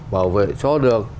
bảo vệ cho được